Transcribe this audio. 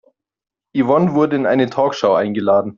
Yvonne wurde in eine Talkshow eingeladen.